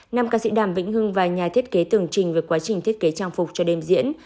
nam ca sĩ đàm vĩnh hưng và nhà thiết kế tưởng trình về quá trình thiết kế trang phục cho đêm diễn